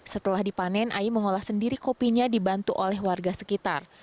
setelah dipanen ai mengolah sendiri kopinya dibantu oleh warga sekitar